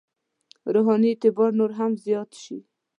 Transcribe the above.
روحاني اعتبار نور هم زیات شي.